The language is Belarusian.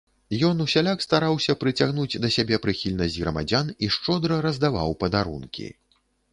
Ён усяляк стараўся прыцягнуць да сябе прыхільнасць грамадзян і шчодра раздаваў падарункі.